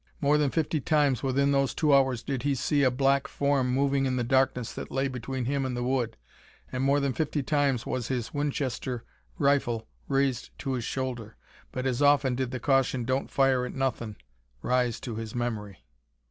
More than fifty times within those two hours did he see a black form moving in the darkness that lay between him and the wood, and more than fifty times was his Winchester rifle raised to his shoulder; but as often did the caution "don't fire at nothin'" rise to his memory.